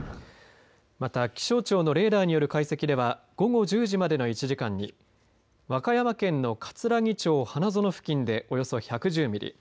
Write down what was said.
また、気象庁のレーダーによる解析では午後１０時までの１時間に和歌山県のかつらぎ町花園付近でおよそ１１０ミリ